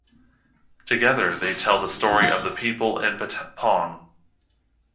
Together they tell the story of the people in Patpong.